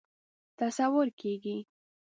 تصور کېږي.